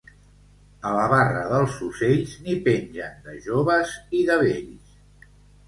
A la barra dels ocells n'hi pengen de joves i de vells.